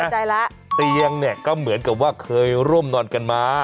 เตียงก็เหมือนกับว่าเคยร่วมนอนกันมา